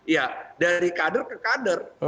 ya dari kader ke kader